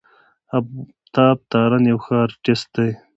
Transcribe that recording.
آفتاب تارڼ يو ښه آرټسټ دی.